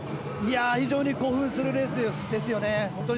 非常に興奮するレースですよね。